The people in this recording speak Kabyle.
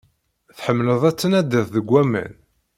Tḥemmleḍ ad tnadiḍ deg aman.